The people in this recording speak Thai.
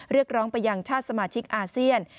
เลือกร้องเปยังฉาสศมาทิกอาเซียน